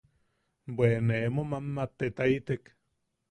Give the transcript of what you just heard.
Bwe ne emo mammattetaitek.